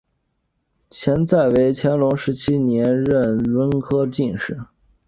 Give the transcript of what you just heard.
钱载为乾隆十七年壬申恩科进士。